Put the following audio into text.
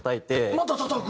またたたく。